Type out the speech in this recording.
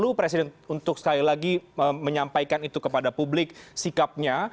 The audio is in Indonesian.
perlu presiden untuk sekali lagi menyampaikan itu kepada publik sikapnya